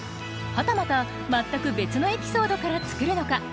はたまた全く別のエピソードから作るのか。